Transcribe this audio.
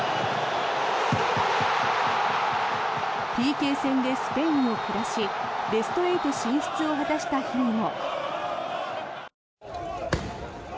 ＰＫ戦でスペインを下しベスト８進出を果たした日にも。